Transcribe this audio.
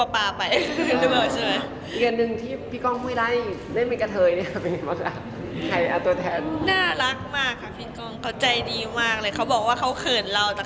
อย่างนี้พูดได้ทุกคนมาถัง